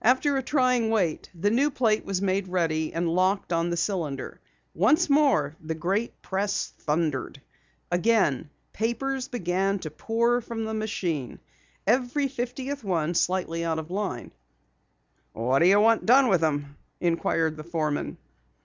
After a trying wait the new plate was made ready and locked on the cylinder. Once more the great press thundered. Again papers began to pour from the machine, every fiftieth one slightly out of line. "What do you want done with 'em?" inquired the foreman.